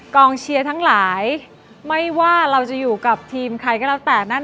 กองเชียร์ทั้งหลายไม่ว่าเราจะอยู่กับทีมใครก็แล้วแต่นั่น